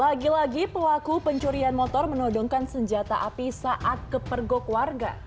lagi lagi pelaku pencurian motor menodongkan senjata api saat kepergok warga